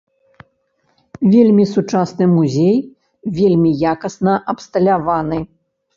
Вельмі сучасны музей, вельмі якасна абсталяваны.